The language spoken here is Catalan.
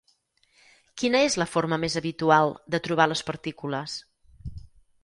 Quina és la forma més habitual de trobar les partícules?